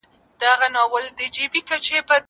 که تولید زیات نه سي نو اقتصادي پرمختیا نه رامنځته کیږي.